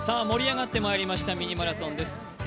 盛り上がってまいりました「ミニマラソン」です。